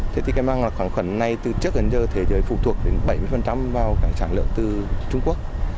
thế thì cái mang lọc kháng khuẩn này từ trước đến giờ thế giới phụ thuộc đến bảy mươi vào cái sản lượng từ trung quốc